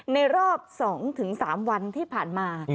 ในรอบ๒๓วันที่ผ่านมา